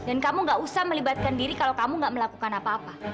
dan kamu gak usah melibatkan diri kalau kamu gak melakukan apa apa